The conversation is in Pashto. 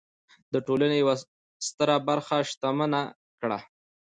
د ټولنې یوه ستره برخه شتمنه کړه.